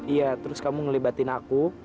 iya terus kamu ngelibatin aku